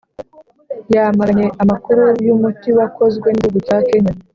yamaganye amakuru y’umuti wakozwe n’igihugu cya Kenya.